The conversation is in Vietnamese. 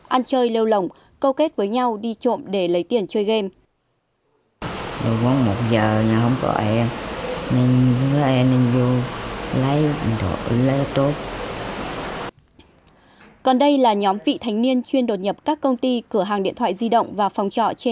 ăn chơi lêu lồng câu kết với nhau đi trộm để lấy tiền chơi game